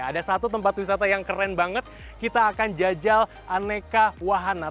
ada satu tempat wisata yang keren banget kita akan jajal aneka wahana